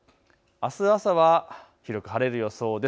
あす朝は広く晴れる予想です。